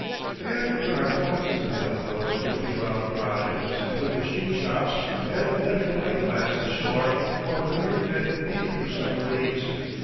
And there are thousands of young fellows working around garages and in machine shops and electric light plants ashore who are the very men needed for submarines.